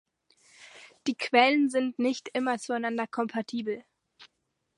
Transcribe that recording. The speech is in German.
Die Quellen sind nicht immer zueinander kompatibel.